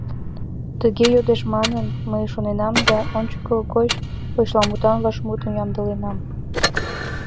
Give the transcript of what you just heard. Тыге йодеш манын, мый шоненам да ончылгочак почеламутан вашмутым ямдыленам: